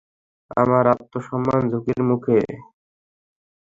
আমার আত্মসম্মান ঝুঁকির মুখে।